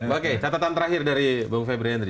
oke catatan terakhir dari bung febriendri